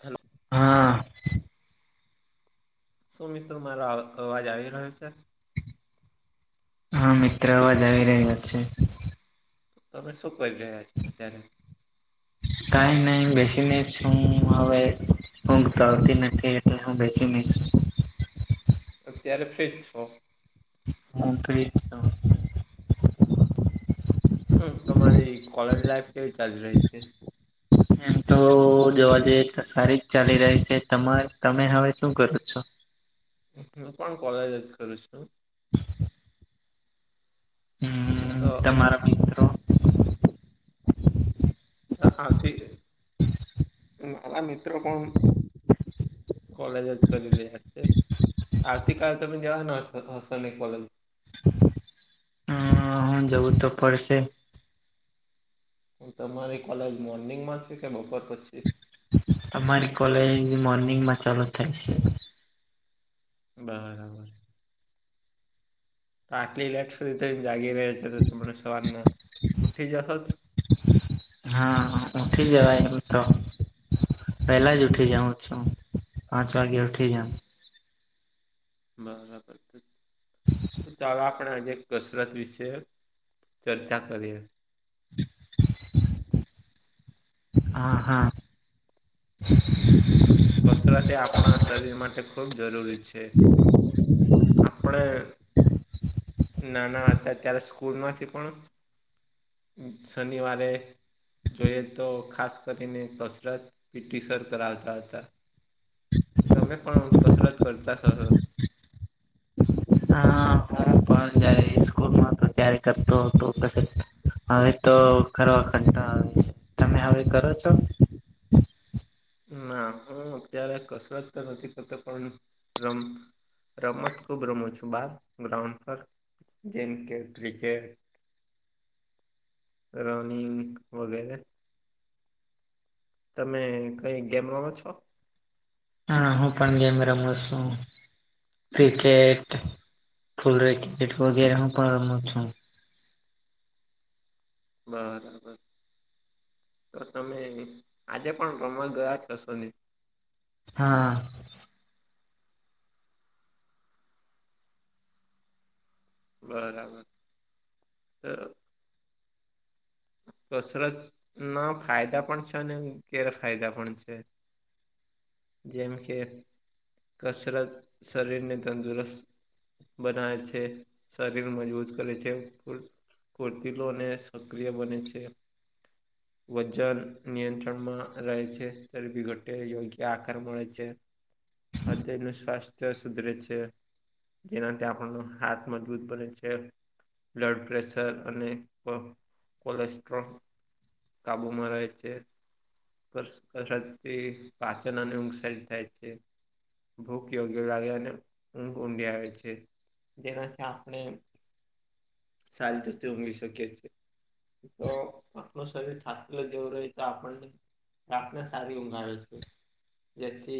Hello હા સુો મિત્ર મારો અવાજ આવી રહ્યો છે હા મિત્ર અવાજ આવી રહ્યા છે તમે શું કહી રહ્યા છો ત્યારે કઈ નહી બેસીને છું હવે હું ચાલતી નથી એટલે હું બેસી અત્યારે ફ્ર્રીજ છો હ ફ હમ તમારી કોલેજ લાઈફ કેવી ચાલી રહી છે એમ તો જોવાજે સારી જ ચાલી રહી છે તમા તમે હવે શું કરો છો હું પણ કોલેજ જ કરું છું હમ તો તમારા હ મારા મિત્ર પણ કોલેજ જ કરી રહ્યા છે આવતીકાલ તમેં જવાના હસો ને કોલેજ હ હું જવું તો પડસે હું તમારી કોલેજ મોર્નિંગમાં છે કે બપોર પછી અમારી કોલેજ મોર્નિંગ માં ચાલુ થાય છે બરાબર તો આટલી લેટ સુધી થને જાગી રહ્યા છે તો તમે સવારના ઉઠી જશો? હા ઉઠી જવાય એમ તો પેલા જ ઉઠી જઉ છુ પાંચ વાગે ઉઠી જમ બરાબર તો ચાલો આપણે આજે કસરત વિશે ચર્ચા કરીએ હા હા કસરત એ આપણા શરીર માટે ખૂબ જરૂરી છે આપણે ના ના અતત્યારે સ્કૂલ માંથી પણ શનિવારે જોઈએ તો ખાસ કરીને કસરત પીટીસર કરાવતા હતા તમે પણ કસરત કરતા જ હસો હા હું પણ જ્યારે સ્કૂલ ત્યારે કરતો હવે તો ખરો કંટાળ આવે તમે હવે કરો છો ના હું અત્યારે કસરત તો નથી કરતો પણ રમ રમત ખુબ રમુ છુ બાર ગ્રાઉન્ડ પર જેમ કે ક્રિકેટ રનિંગ વગેરે તમે કઈ ગેમ રમો છો હા હું પણ ગેમ રમુ છું ક્રિકેટ ફુલરિકટ વગેરે હું પણ રમુ છું બરાબર તો તમે આજે પણ રમવા ગયા હસો ને હા બરાબર તો કસરત ના ફાયદા પણ છે અને ગેરફાયદા પણ છે જેમ કે કસરત શરીરને તંદુરસ્ત બનાવે છે શરીર મજબૂત કરે છે કુર્તીલોને ય બને છે વજન નિયંત્રણમાં રહે છે ત્યારે બી ઘટે યોગ્ય આકાર મળે છે હૃદય ન સ્વાસ્થ્ય સુધરે છે જેનાથી આપણનો હાથ મજબૂત બને છે બ્લડ પ્રેશર અને કોલેસ્ટ્રોલ કાબુમાં રહે છે કસરથી પાચન અને ઉંગ સારી થાય છે ભૂખ યોગ્ય લાગે અને ઊંઘ ઊંડી આવે છે જેનાથી આપણે સારી રીતે ઉમેરી શકીએ છીએ તો પણું શરીર થાલેલુ જેવું રહે તો આપણને રાતને સારી ઊંઘ આવે છે વ્યક્તિ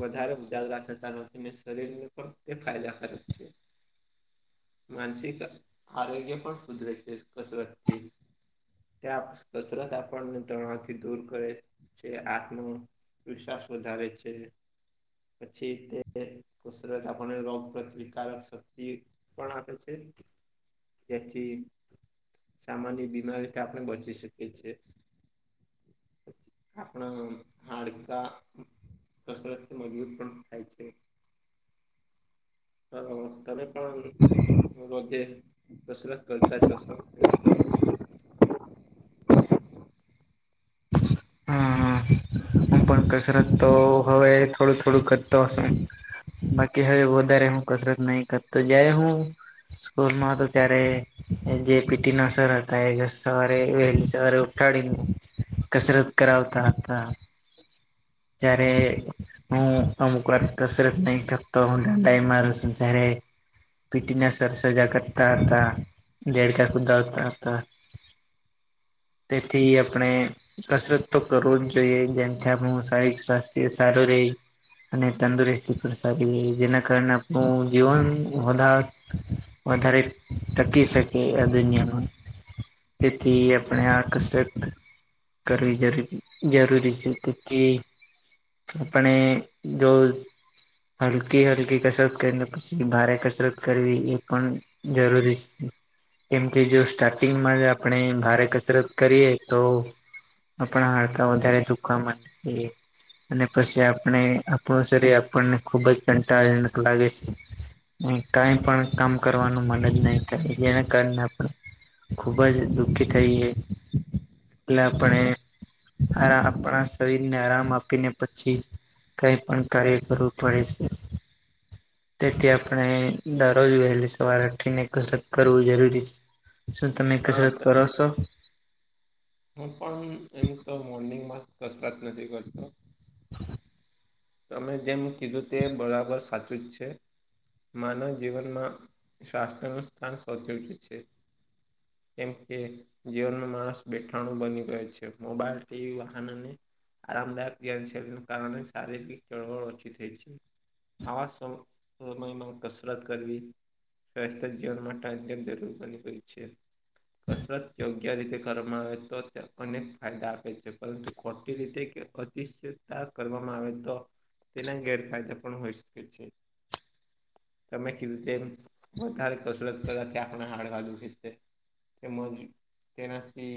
વધારે ઉજાગરા થતા નથીને શરીરને પણ તે ફાયદાકારક છે માનસિક આરોગ્ય પણ સુધરે છે કસરતથી ત્યાં કસરત આપણને તણાવથી દૂર કરે છે છે આત્નો વિશ્વાસ વધારે છે પછી તે કુરત આપણે રોગ પ્રતિકારક શક્તિ પણ આવે છે તથી સામાન્ય બીમારીથી આપણે બચી શકીએ છીએ પછ આપણા હાડતા કસરત થી મજબૂત પણ થાય છે હ તમે પણ રોજે દસર કરદ છે એતા હા હા હું પણ કસરત તો હવે થોડું થોડું કરતો હશ બાકી હવે વધારે હું કસરત નહી કરતો જય્યારે હું સ્કૂલમાં તો ત્યારે જેપીટીી નસતા એ સવારે વહેલી સવારે ઉઠાડીને કસરત કરાવતા હતા જ્યારે હ અમકરા કસરત ન ખત હ ટ મા સંારે પીટીના સર સજા કરતા હતા દેડકા કુદાવતા હતા તે થી આપણે કસરત તો કરવું જ જોઈએ જેમથી શારીર સ્વાસ્થ્ય સારું રહી અને તંદુરસ્તી પણ સારી જેના કારણે આપણું જીવન વધા બ દારીે ટટેકી શખી એદમાં તેથી આપણે આકસક કરવી જરૂર જરૂરી છે તો આપણે જો હલકી હલકી કસરત કરીને પછી ભારે કસરત કરવી એ પણ જરૂરી કેમ કે જો સ્ટાર્ટિંગમાં જ આપણે ભારે કસરત કરીએ તો પણણા હાડકા વધારે દુખમાં એ અને પછી આપણે આપણું શરીર આપણને ખુબ જ કંટાળજનક લાગે છે કઈ પણ કામ કરવાનું મદજ નહીં થાય જેના કારણે આપ ખુબ જ દુઃખી થઈ છે એટલે આપણે આ આપણા શરીર ને આરામ આપીને પછી કંઈ પણ કાર્ય કરું પડે છે તેથી આપણે દરરોજ વહેલી સવાર ઉઠીને કસરત કરવું જરૂરી છે શું તમે હા કસરત કરો છો હું પણ એમ તો મોર્નિંગ માક કસરત નથી કરતો તમે જેમ કીધું તે બરાબર સાચું જ છે માનવ જીવનમાં સ્વાસ્થ્યનું સ્થાન સૌધ્યું જ છે એમ કે જીવનમાં માણસ બેઠાણું બની ગયો છે મોબાઈલ ટીવી વાહન અને આરામદાયક જ કારણે શારીરિક ચળવળ ઉચિતઈ છે આવા સમ સમયમાં કસરત કરવી સ્ જીવન માટે જરૂર બની ગ છે કસરતયો યોગ્ય રીતે કરવામાં આવે તો તે્યા અનેક ફાયદા આપે છે પરંતુ ખોટી રીતે કે અતિશ્ચિત કરવામાં આવે તો તેના ગેરફાયદા પણ હોય શકે છે તમે કીધું તેમ વધારે કસરત કરવાથી આપણે હાડવાું કીધે તેમજ તેનાથી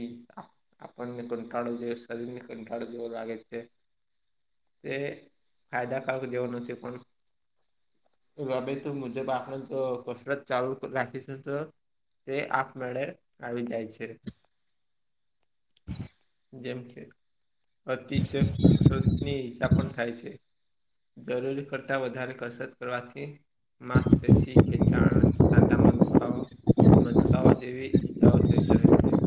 આપણને કંટાળો જે શરીરને કંટાળો જેવો લાગે છે તે ફાયદાકારક જેવનો છે પણ રભાઈ તું મુજબ આપણે તો કસરત ચાલુ રાખીશ તો તે આંખમેળે આવી જાય છે જેમ કે અતિશય કસરતની ઈજા પણ થાય છે જરૂરી કરતા વધારે કસરત કરવાથી માંસ પેશી ખેચાણ, સાંધામાં દુખાવા મંચકાઓ જેવી ઈજાઓ થઈ શકે છે.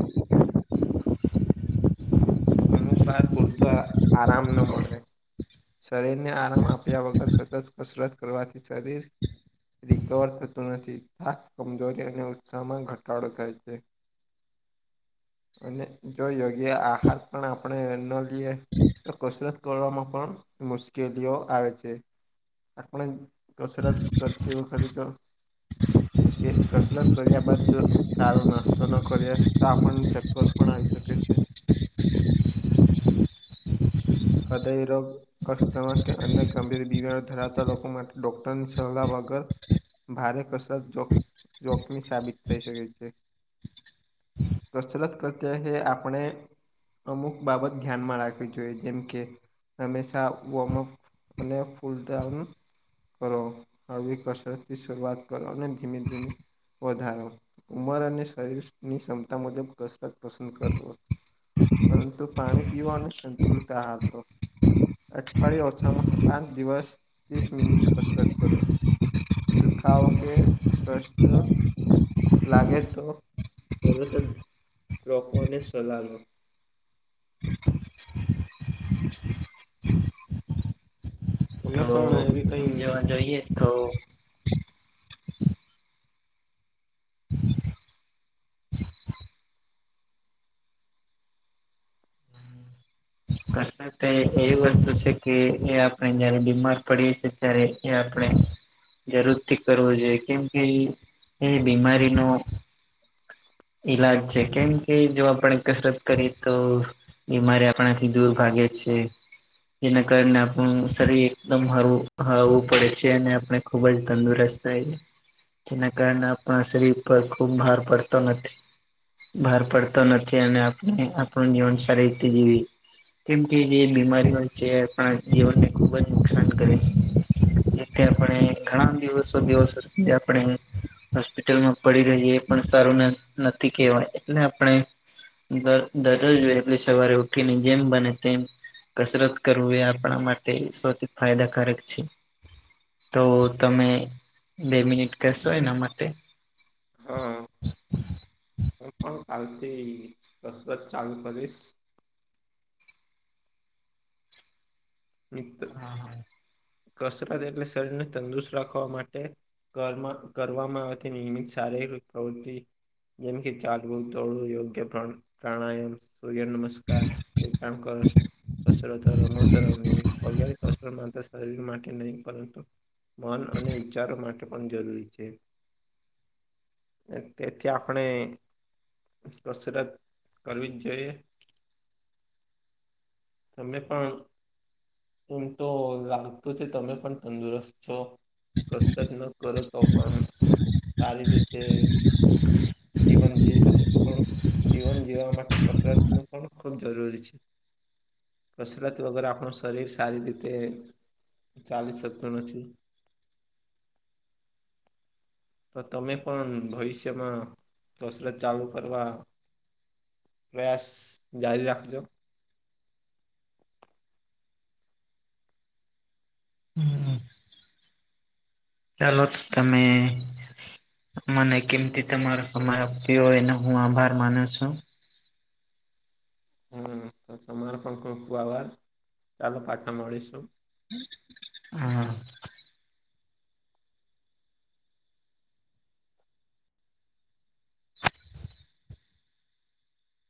અમુક વાર પૂરતો આરામ ન મળે શરીરને આરામ આપ્યા વગર સતત કસરત કરવાથી શરીર રિકવર થતું નથી. થાક, કમજોરી અને ઉત્સાહમાં ઘટાડો થાય છે. અને જો યોગ્ય આહાર પણ આપણે ન લીએ તો કસરત કરવામાં પણ મુશ્કેલીઓ આવે છે. આપણે કસરત કરતી વખતે જો, કે કસરત કર્યા બાદ જો સારો નાસ્તો ન કરીએ તો આપણને ચક્કર પણ આવી શકે છે. હૃદય રોગ કસ્તમા કે અન્ય ગંભીર બીમારી ધરાવતા લોકો માટે ડોક્ટરની સલાહ વગર ભારે કસરત જોખ, જોખમી સાબિત થઈ શકે છે. કસરત કરતે હે આપણે અમુક બાબત ધ્યાનમાં રાખવી જોઈએ, જેમકે અમે [unintelligible] વર્મઓફ અને ફૂલ ડાઉન કરો, હળવી કસરત થી શરૂઆત કરો, અને ધીમે-ધીમે વધારો. ઉંમર અને શરીરની ક્ષમતા મુજબ કસરત પસંદ કરવો. પરંતુ પાણી પીવાને સંતુલતા આગ્ર અઠવાડીયે ઓછા માં ઓછા પાંચ દિવસ, ત્રીસ મિનિટ કસરત કરો. દુખાવ કે સ્વસ્થ લાગે તો તરત જ લોકોની સલાહો લો. તમે તો પણ એવી એમ કઈ જોવા જઈએ તો કસરત એ એવી વસ્તુ છે કે એ આપણે જયારે બીમાર પડીએ છે ત્યારે એ આપણે જરૂરથી કરવો જોઈએ, કેમકે ઈ એ બીમારીનો ઈલાજ છે, કેમ કે ઈ જો આપણે કસરત કરી તો બિમારી આપણા થી દૂર ભાગે છે. જેના કારણે આપણું શરીર એકદમ હળવું-હળવું પડે છે, અને આપણે ખુબ જ તંદુરસ્ત [unintelligible] જેના કારણે આપણા શરીર પર ખુબ ભાર પડતો નથી. ભાર પડતો નથી અને આપણે આપણું જીવન સારી રીતે જીવી કેમ કે જે બીમારીઓ છે આપણા જીવનને ખુબ જ નુકસાન કરે સે. [unintelligible] આપણે ઘણા દિવસો-દિવસો આપણે હોસ્પિટલમાં પડી રહીએ, પણ સારું ન, નથી કહેવાય, એટલે આપણે દર દરરોજ વહેલી સવારે ઉઠીને જેમ બને તેમ કસરત કરવું એ આપણા માટે સૌથી ફાયદાકારક છે. તો તમે બે મિનિટ કહેશો એના માટે? હા. હું પણ કાલથી કસરત ચાલુ કરીશ. મિત, કસરત એટલે શરીરને તંદુરસ્ત રાખવા માટે કરમા કરવામાં આવે નિયમિત શારીરિક પ્રવૃતિ. જેમ કે ચાલવું, દોડવું યોગ્ય પ્ર પ્રાણાયમ સૂર્ય નમસ્કાર, એ જાણ કરસ કસરત રમત [unintelligible] કસરત માત્ર શરીર માટે નહીં પરંતુ મન અને વિચારો માટે પણ જરૂરી છે. તે તેથી આપણે કસરત કરવી જ જોઈએ. તમે પણ એમ તો લાગતું છે તમે પણ તંદુરસ્ત છો. કસરત ન કરો તો પણ સારી રીતે જીવન જીવી [unintelligible] જીવન જીવવા માટે કસરત નું પણ ખૂબ જરૂરી છે. કસરત વગર આપણું શરીર સારી રીતે ચાલી શકતું નથી. [inaudible] તો તમે પણ ભવિષ્યમાં કસરત ચાલુ કરવા પ્રયાસ જારી રાખજો. હમ, ચાલો તમે મને કીમતી તમારો સમય આપ્યો હોય એનો હું આભાર માનું છું. હા તમાંરો ખૂબ ખૂબ આભાર ચાલો પાછા મળીશું. હા.